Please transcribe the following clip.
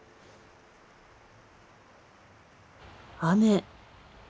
雨。